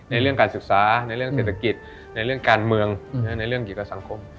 เรื่องการศึกษาในเรื่องเศรษฐกิจในเรื่องการเมืองในเรื่องเกี่ยวกับสังคม